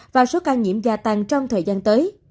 và số ca nhiễm gia tăng trong thời gian tới